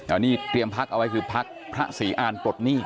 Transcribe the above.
อันนี้เตรียมพักเอาไว้คือพักพระศรีอานปลดหนี้